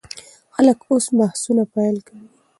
خلک اوس بحثونه پیل کوي.